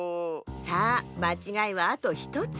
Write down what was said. さあまちがいはあと１つ。